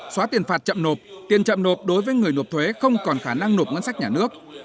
xóa tiền phạt chậm nộp tiền chậm nộp đối với người nộp thuế không còn khả năng nộp ngân sách nhà nước